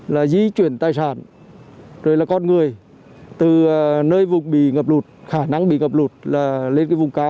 là di chuyển tài sản rồi là con người từ nơi vùng bị ngập lụt khả năng bị ngập lụt là lên cái vùng cao